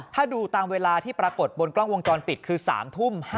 ถ้าดูตามเวลาที่ปรากฏบนกล้องวงจรปิดคือ๓ทุ่ม